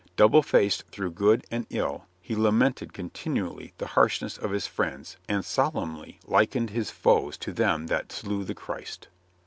Double faced through good and ill, he lamented continually the harshness of his friends and solemnly likened his foes to them that slew the Christ.